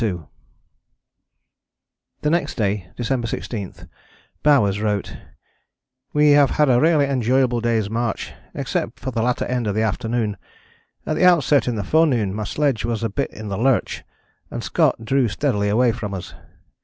" The next day, December 16, Bowers wrote: "We have had a really enjoyable day's march, except the latter end of the afternoon. At the outset in the forenoon my sledge was a bit in the lurch, and Scott drew steadily away from us.